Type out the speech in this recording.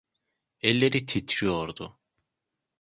Elleri titriyordu.